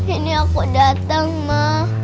ini aku datang ma